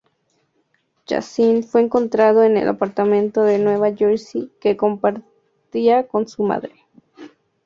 Yasin fue encontrado en el apartamento de Nueva Jersey que compartía con su madre.